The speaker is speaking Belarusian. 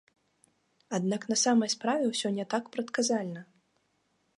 Аднак на самай справе ўсё не так прадказальна.